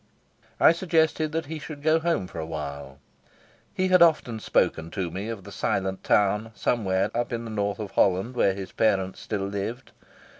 I suggested that he should go home for a while. He had often spoken to me of the silent town, somewhere up in the north of Holland, where his parents still lived.